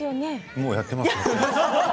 もうやっています。